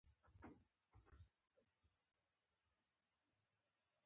نوموړی بریالی شو چې خپل مخالفین له منځه یوسي.